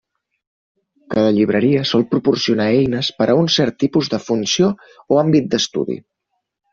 Cada llibreria sol proporcionar eines per a un cert tipus de funció o àmbit d'estudi.